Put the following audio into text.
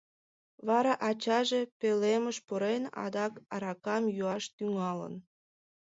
Вара ачаже, пӧлемыш пурен, адак аракам йӱаш тӱҥалын...